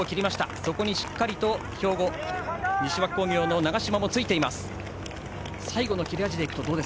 そこにしっかりと兵庫、西脇工業の長嶋もついています。